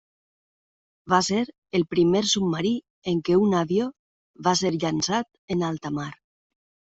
Va ser el primer submarí en què un avió va ser llançat en alta mar.